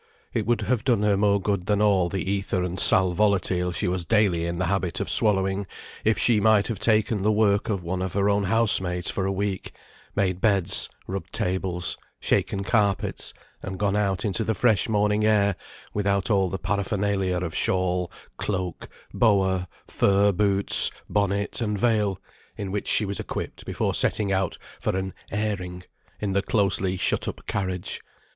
It would have done her more good than all the æther and sal volatile she was daily in the habit of swallowing, if she might have taken the work of one of her own housemaids for a week; made beds, rubbed tables, shaken carpets, and gone out into the fresh morning air, without all the paraphernalia of shawl, cloak, boa, fur boots, bonnet, and veil, in which she was equipped before setting out for an "airing," in the closely shut up carriage.